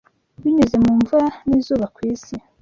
binyuze mu mvura n’izuba ku isi